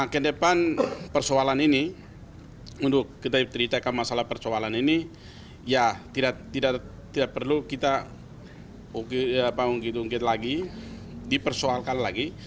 ke depan persoalan ini untuk kita ceritakan masalah persoalan ini ya tidak perlu kita dipersoalkan lagi